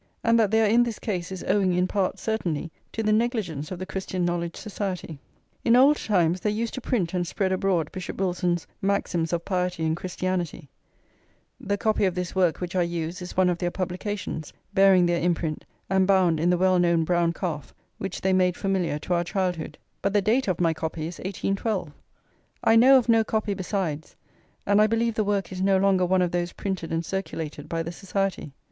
And that they are in this case is owing in part, certainly, to the negligence of the Christian Knowledge Society. In old times they used to print and spread abroad Bishop Wilson's Maxims of Piety and Christianity; the copy of this work which I use is one of their publications, bearing their imprint, and bound in the well known brown calf which they made familiar to our childhood; but the date of my copy is 1812. I know of no copy besides, and I believe the work is no longer one of those printed and circulated by the Society.